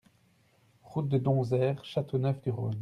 Route de Donzère, Châteauneuf-du-Rhône